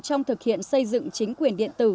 trong thực hiện xây dựng chính quyền điện tử